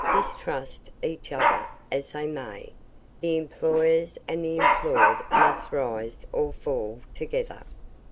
Distrust each other as they may, the employers and the employed must rise or fall together.